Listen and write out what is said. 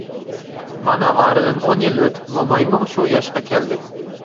مانا ئارىدىن ئون يىل ئۆتۈپ مومايمۇ شۇ ياشقا كەلدى.